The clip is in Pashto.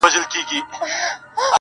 پر حلال حرام یې مه کيږه راوړه یې